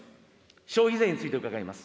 消費税について伺います。